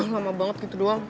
lama banget gitu doang